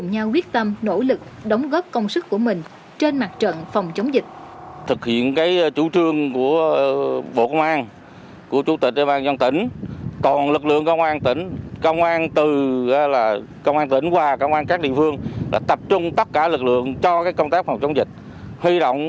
hãy quyết tâm nỗ lực đóng góp công sức của mình trên mặt trận phòng chống dịch